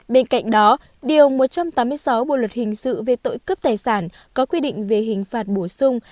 bên cạnh đó điều một trăm tám mươi sáu bộ luật hình sự về tội cướp tài sản có quy định về hình phạt bổ sung